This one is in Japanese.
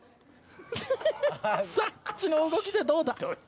口の動きでどうだ？